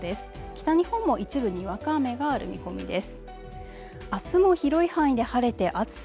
北日本も一部にわか雨がある見込みです。